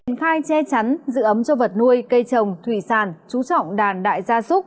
triển khai che chắn giữ ấm cho vật nuôi cây trồng thủy sàn trú trọng đàn đại gia súc